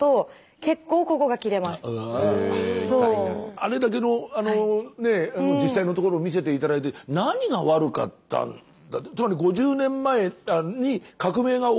あれだけの実際のところを見せて頂いて何が悪かったんだと。